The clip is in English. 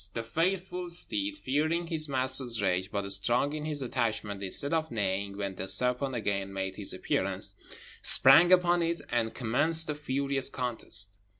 The faithful steed, fearing his master's rage, but strong in his attachment, instead of neighing when the serpent again made his appearance, sprang upon it, and commenced a furious contest.